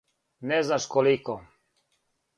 Не знаш колико.